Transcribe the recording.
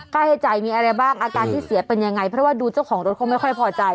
ให้จ่ายมีอะไรบ้างอาการที่เสียเป็นยังไงเพราะว่าดูเจ้าของรถเขาไม่ค่อยพอใจ